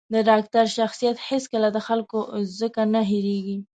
د ډاکتر شخصیت هېڅکله د خلکو ځکه نه هېرېـږي.